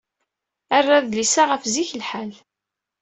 Err adlis-a ɣef zik lḥal.